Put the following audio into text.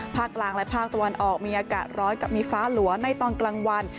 ภาคกลางและภาคตะวันออกมีอากาศร้อนกับมีฟ้าหลัวในตอนกลางวัน